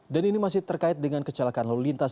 dan ini masih terkait dengan kecelakaan lalu lintas